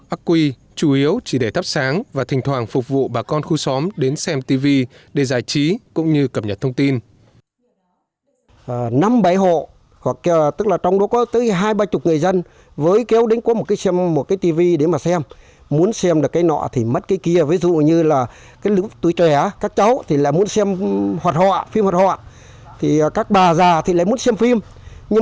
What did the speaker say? ác quy chủ yếu chỉ để thắp sáng và thỉnh thoảng phục vụ bà con khu xóm đến xem tv để giải trí cũng như cập nhật thông tin